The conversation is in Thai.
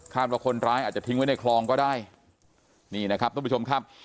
ว่าคนร้ายอาจจะทิ้งไว้ในคลองก็ได้นี่นะครับทุกผู้ชมครับ